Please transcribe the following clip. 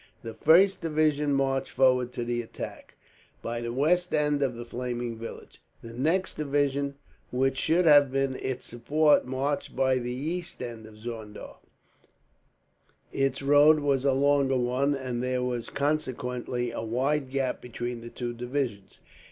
The first division marched forward to the attack, by the west end of the flaming village. The next division, which should have been its support, marched by the east end of Zorndorf. Its road was a longer one, and there was consequently a wide gap between the two divisions.